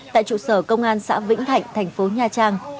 tại trụ sở công an xã vĩnh thạnh thành phố nha trang